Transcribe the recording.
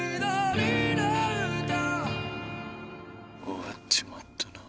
終わっちまったな。